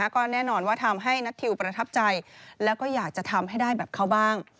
ก็แน่นอนว่าทำให้นัททิวประทับใจแล้วก็อยากจะทำให้ได้แบบเขาบ้าง